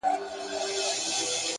هم راته غم راکړه ته ـ او هم رباب راکه ـ